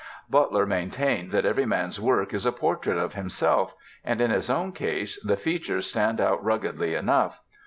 Butler maintained that every man's work is a portrait of himself, and in his own case the features stand out ruggedly enough.